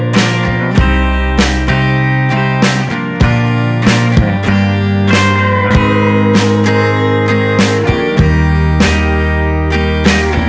terima kasih banyak om tante